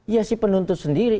ya si penuntut sendiri